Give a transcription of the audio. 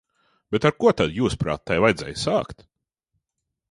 Bet ar ko tad, jūsuprāt, tai vajadzēja sākt?